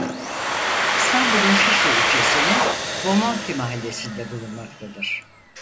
İstanbul'un Şişli ilçesinin Bomonti mahallesinde bulunmaktadır.